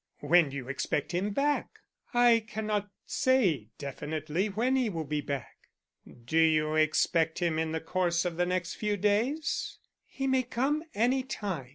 "When do you expect him back?" "I cannot say definitely when he will be back." "Do you expect him in the course of the next few days?" "He may come any time."